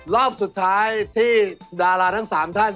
รอบสุดท้ายที่ดาราทั้ง๓ท่าน